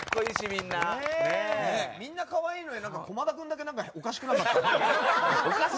みんな可愛いのに駒田君だけ何かおかしくなかった？